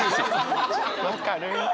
分かる。